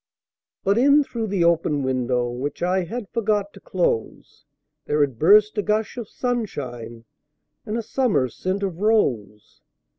But in through the open window, Which I had forgot to close, There had burst a gush of sunshineAnd a summer scent of rose.